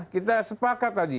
kita sepakat tadi